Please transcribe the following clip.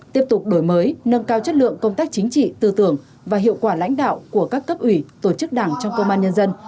tiếp tục đổi mới nâng cao chất lượng công tác chính trị tư tưởng và hiệu quả lãnh đạo của các cấp ủy tổ chức đảng trong công an nhân dân